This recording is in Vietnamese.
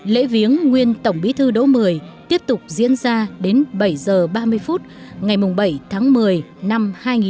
lễ viếng nguyên tổng bí thư đỗ mười tiếp tục diễn ra đến bảy h ba mươi phút ngày bảy tháng một mươi năm hai nghìn một mươi chín